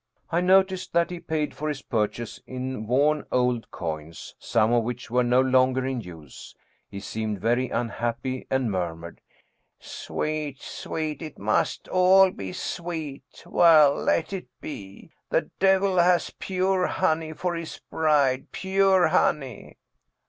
I noticed that he paid for his purchase in worn old coins, some of which were no longer in use. He seemed very unhappy and mur mured :" Sweet sweet it must all be sweet ! Well, let it be ! The devil has pure honey for his bride pure honey